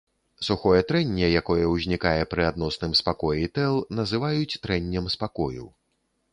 Сухое трэнне, якое ўзнікае пры адносным спакоі тэл, называюць трэннем спакою.